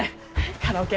カラオケ